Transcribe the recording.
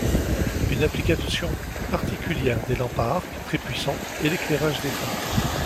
Une application particulière des lampes à arcs très puissantes est l'éclairage des phares.